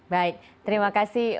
baik terima kasih